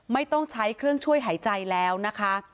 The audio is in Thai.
ไม่ต้องใช้เครื่องช่วยหายใจแล้วนะคะ